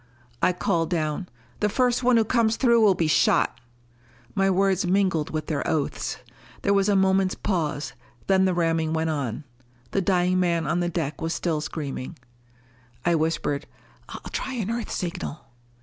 I called down, "The first one who comes through will be shot!" My words mingled with their oaths. There was a moment's pause, then the ramming went on. The dying man on the deck was still screaming. I whispered, "I'll try an Earth signal."